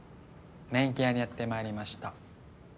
メンケアにやってまいりました。